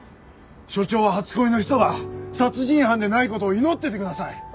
署長は初恋の人が殺人犯でない事を祈っててください！